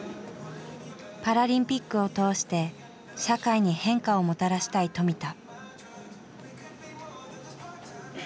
パラリンピックを通して社会に変化をもたらしたい富田。